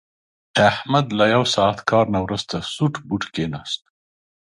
احمد له یو ساعت کار نه ورسته سوټ بوټ کېناست.